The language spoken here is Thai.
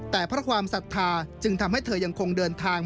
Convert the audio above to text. แต่เพราะความศรัทธาจึงทำให้เธอยังคงเดินทาง